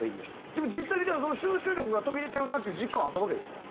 でも実際にじゃあ集中力が途切れてるなっていう実感はあったわけですか？